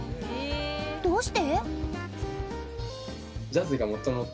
どうして？